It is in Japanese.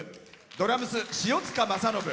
ドラムス、塩塚正信。